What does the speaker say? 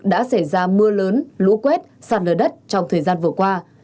đã xảy ra mưa lớn lũ quét sạt lở đất trong thời gian vừa qua